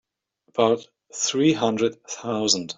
About three hundred thousand.